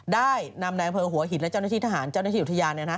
ได้นำในอำเภอหัวหินและเจ้าหน้าที่ทหารเจ้าหน้าที่อุทยาน